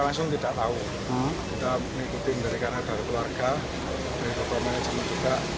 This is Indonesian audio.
saya langsung tidak tahu kita mengikuti mengerikan hadapan keluarga dari kepemain manajemen juga